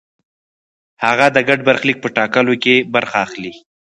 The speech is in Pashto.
هغه د ګډ برخلیک په ټاکلو کې برخه اخلي.